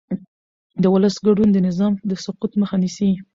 د ولس ګډون د نظام د سقوط مخه نیسي